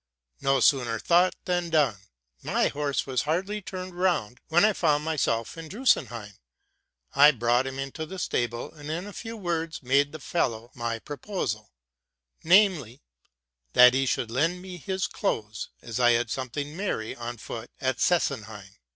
No sooner thought than done! My horse was hardly turned round, when I found myself in Drusenheim: I brought him into the stable, and in a few words made the fellow my pro posal, namely, that he should lend me his clothes, as I had something merry on foot at Sesenheim.